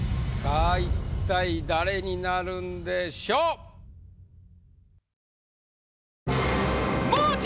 さぁ一体誰になるんでしょう？